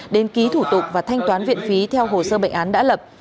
đến ký thủ tục và thanh toán viện phí theo hồ sơ bệnh án đã lập